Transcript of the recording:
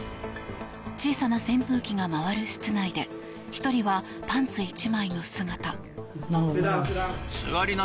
小さな扇風機が回る室内で１人はパンツ１枚の姿。